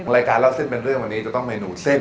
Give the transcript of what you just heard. รายการเล่าเส้นเป็นเรื่องวันนี้จะต้องเมนูเส้น